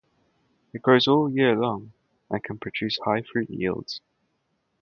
It grows all year long and can produce high fruit yields.